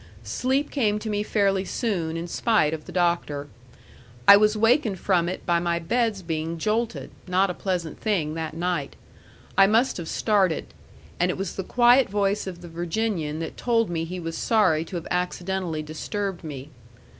Sleep came to me fairly soon, in spite of the Doctor. I was wakened from it by my bed's being jolted not a pleasant thing that night. I must have started. And it was the quiet voice of the Virginian that told me he was sorry to have accidentally disturbed me.